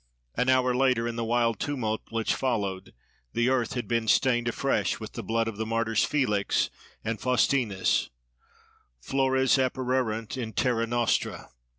An hour later, in the wild tumult which followed, the earth had been stained afresh with the blood of the martyrs Felix and Faustinus—Flores apparuerunt in terra nostra!